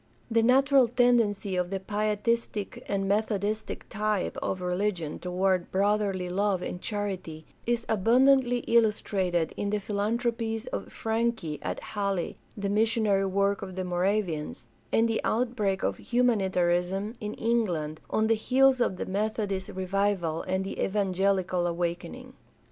The natural tendency of the Pietistic and Methodistic type of religion toward brotherly love and charity is abundantly illustrated in the philanthropies of Franke at Halle, the missionary work of the Moravians, and the outbreak of humanitarianism in England on the heels of the Methodist revival and the evangelical awakening.